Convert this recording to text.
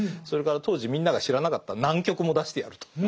それから当時みんなが知らなかった南極も出してやると。